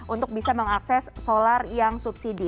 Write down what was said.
untuk bisa mengakses solar yang subsidi